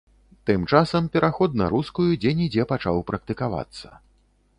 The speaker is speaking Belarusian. Тым часам пераход на рускую дзе-нідзе пачаў практыкавацца.